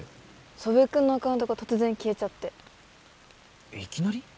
祖父江君のアカウントが突然消えちゃっていきなり？